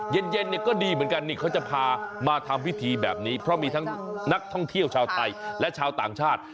เย็นเนี่ยก็ดีเหมือนกันนี่เขาจะพามาทำพิธีแบบนี้เพราะมีทั้งนักท่องเที่ยวชาวไทยและชาวต่างชาติ